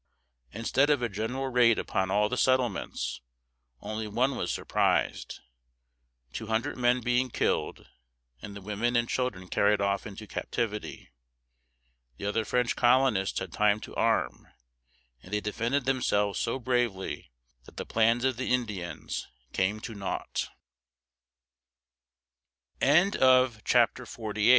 Instead of a general raid upon all the settlements, only one was surprised, two hundred men being killed, and the women and children carried off into captivity. The other French colonists had time to arm, and they defended themselves so bravely that the plans of the Indians came to naught. XLIX. INDIANS ON THE WARPATH.